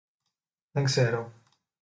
Δεν ξέρω.